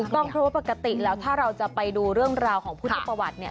ต้องเพราะว่าปกติแล้วถ้าเราจะไปดูเรื่องราวของพุทธประวัติเนี่ย